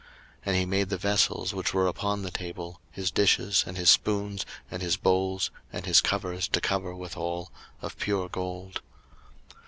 02:037:016 And he made the vessels which were upon the table, his dishes, and his spoons, and his bowls, and his covers to cover withal, of pure gold.